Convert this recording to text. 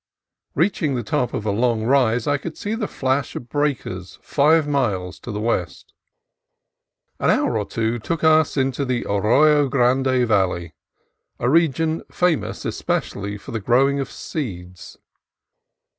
Reaching the top of a long rise I could see the flash of breakers five miles to the west. An hour or two took us into the Arroyo Grande Valley, a region famous especially for the growing of seeds.